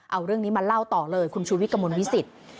เอาเรื่องนี้มาเล่าต่อเลยคุณชูวิทย์กระมวลวิสิต